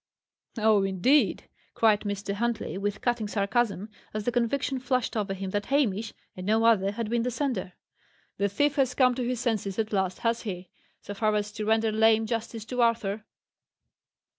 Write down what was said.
"Oh, indeed!" cried Mr. Huntley, with cutting sarcasm, as the conviction flashed over him that Hamish, and no other, had been the sender. "The thief has come to his senses at last, has he? So far as to render lame justice to Arthur."